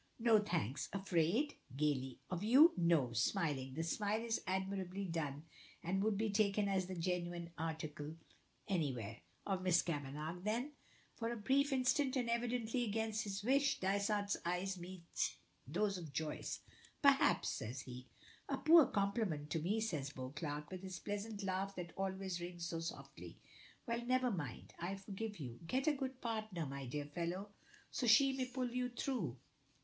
"No thanks." "Afraid?" gaily. "Of you no," smiling; the smile is admirably done, and would be taken as the genuine article anywhere. "Of Miss Kavanagh; then?" For a brief instant, and evidently against his wish, Dysart's eyes meet those of Joyce. "Perhaps," says he. "A poor compliment to me," says Beauclerk, with his pleasant laugh that always rings so softly. "Well, never mind; I forgive you. Get a good partner, my dear fellow, and she may pull you through.